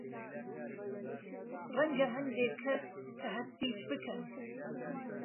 رهنگه ههندێک کهس که ههستیش بکهن